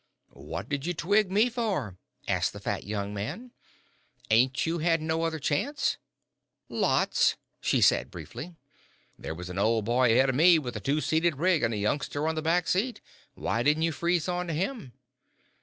"What did you twig me for?" asked the fat young man. "Ain't you had no other chance?" "Lots," she said, briefly. "There was an ole boy ahead o' me with a two seated rig, an' a youngster on the back seat. Why didn't you freeze on to him?"